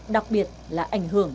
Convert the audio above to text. đặc biệt là ảnh hưởng